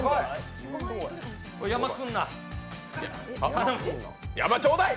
山来るな。